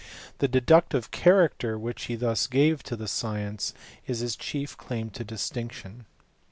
The deductive character which he thus gave to the science is his chief claim to distinction.